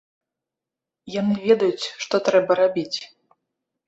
Яны ведаюць, што трэба рабіць.